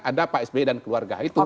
ada pak sby dan keluarga itu